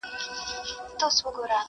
یار نښانه د کندهار راوړې و یې ګورئ،